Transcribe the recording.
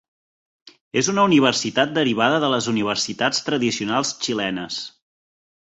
És una universitat derivada de les universitats tradicionals xilenes.